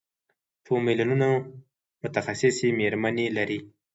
په میلیونونو متخصصې مېرمنې لري.